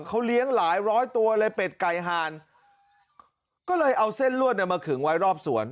เขาเลี้ยงหลายร้อยตัวเลยเป็ดไก่หานก็เลยเอาเส้นลวดเนี่ยมาขึงไว้รอบสวน